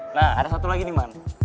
nah ada satu lagi nih man